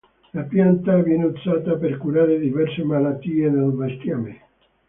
La pianta viene usata per curare diverse malattie del bestiame.